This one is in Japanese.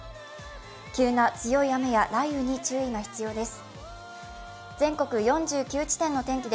急な強い雨や雷雨に注意が必要です。